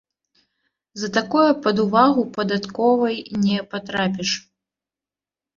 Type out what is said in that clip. За такое пад увагу падатковай не патрапіш.